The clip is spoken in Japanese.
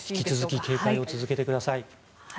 引き続き警戒を続けてください。